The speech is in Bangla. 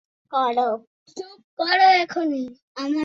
চুপ করা এখনি!